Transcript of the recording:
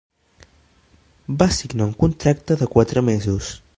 Va signar un contracte de quatre mesos.